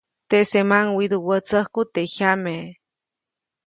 Teʼsemaʼuŋ widuʼwätsäjku teʼ jyame.